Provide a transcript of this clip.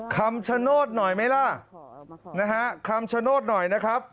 คำชโนธหน่อยไหมล่ะนะฮะคำชโนธหน่อยนะครับ